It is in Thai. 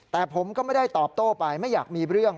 แต่ผมก็ไม่ได้ตอบโต้ไปไม่อยากมีเรื่อง